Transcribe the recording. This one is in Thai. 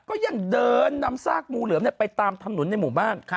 ก็ยังเดินนำซากงูเหลือมไปตามถนนในหมู่บ้าน